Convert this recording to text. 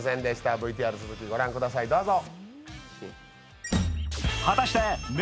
ＶＴＲの続きをご覧ください、どうぞ。